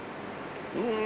うん！